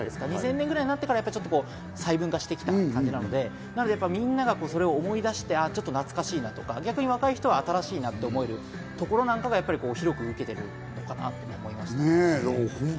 ２０００年代に入ると細分化してくるので、みんながそれを思い出して少し懐かしいとか、逆に若い人は新しいと思えるというところが広く受けてるのかなと思いました。